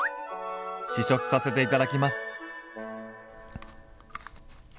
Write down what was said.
試食させていただきます。